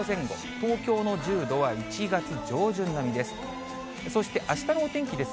東京の１０度は１月上旬並みです。